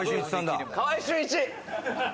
川合俊一。